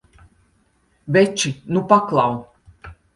Veči, nu paklau!